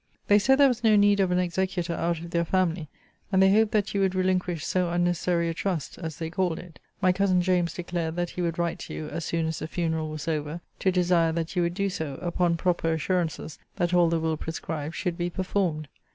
They said there was no need of an executor out of their family; and they hoped that you would relinquish so unnecessary a trust, as they called it. My cousin James declared that he would write to you, as soon as the funeral was over, to desire that you would do so, upon proper assurances that all the will prescribed should be performed.